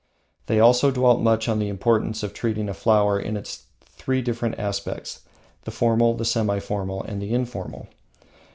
They also dwelt much on the importance of treating a flower in its three different aspects, the Formal, the Semi Formal, and the Informal.